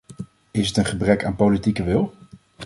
Is het een gebrek aan politieke wil?